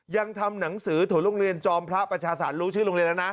ยังทำหนังสือถั่วโรงเรียนจอมพระประชาสารรู้ชื่อโรงเรียนแล้วนะ